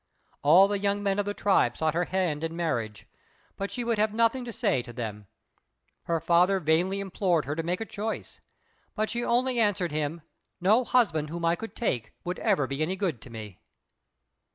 All the young men of the tribe sought her hand in marriage, but she would have nothing to say to them. Her father vainly implored her to make a choice; but she only answered him, "No husband whom I could take, would ever be any good to me."